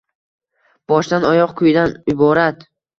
Boshdan oyoq kuydan iborat.